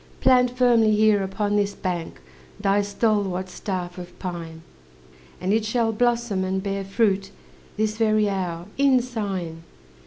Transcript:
Plant firmly here upon this bank Thy stalwart staff of pine, And it shall blossom and bear fruit, This very hour, in sign."